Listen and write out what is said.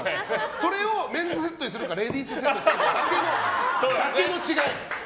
それをメンズセットにするかレディースセットにするかだけの違い。